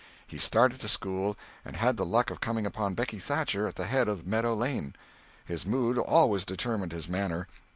He started to school and had the luck of coming upon Becky Thatcher at the head of Meadow Lane. His mood always determined his manner.